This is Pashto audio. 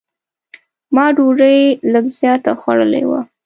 ما ډوډۍ لږ زیاته خوړلې وه.